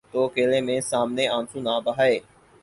تو اکیلے میں، سامنے آنسو نہ بہائے۔